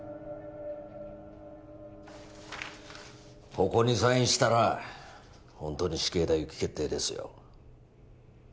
ここにサインしたらホントに死刑台行き決定ですよ